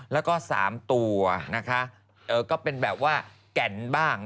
แล้วก็๓ตัวนะคะก็เป็นแบบว่าแก่นบ้าง